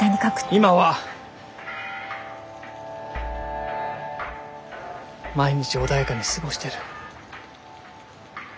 今は毎日穏やかに過ごしてる。